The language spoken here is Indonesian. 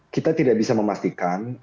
kita tidak bisa memastikan